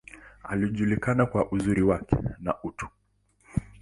Alijulikana kwa uzuri wake, na utu.